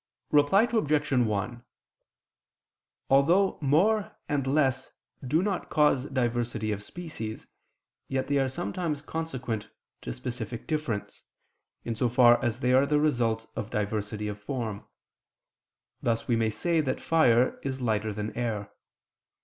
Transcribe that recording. Reply Obj. 1: Although more and less do not cause diversity of species, yet they are sometimes consequent to specific difference, in so far as they are the result of diversity of form; thus we may say that fire is lighter than air.